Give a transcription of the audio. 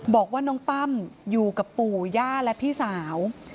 บอกว่าน้องตั้มอยู่กับปู่ย่าและพี่สาว